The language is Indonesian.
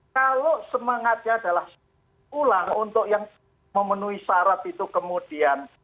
kalau semangatnya adalah ulang untuk yang memenuhi syarat itu kemudian